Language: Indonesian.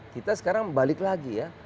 kita sekarang balik lagi ya